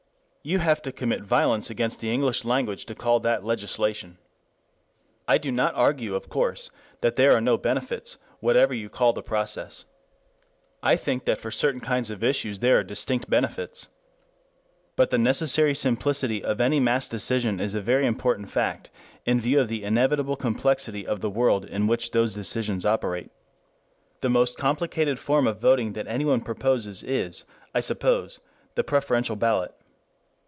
You have to commit violence against the English language to call that legislation. I do not argue, of course, that there are no benefits, whatever you call the process. I think that for certain kinds of issues there are distinct benefits. But the necessary simplicity of any mass decision is a very important fact in view of the inevitable complexity of the world in which those decisions operate. The most complicated form of voting that anyone proposes is, I suppose, the preferential ballot.